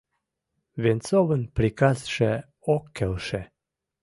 Венцовын приказше ок келше.